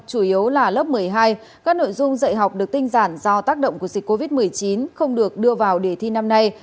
chủ yếu là lớp một mươi hai các nội dung dạy học được tinh giản do tác động của dịch covid một mươi chín không được đưa vào đề thi năm nay